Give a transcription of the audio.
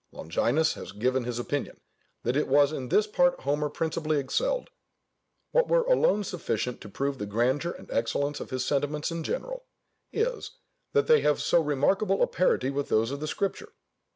Longinus has given his opinion, that it was in this part Homer principally excelled. What were alone sufficient to prove the grandeur and excellence of his sentiments in general, is, that they have so remarkable a parity with those of the Scripture.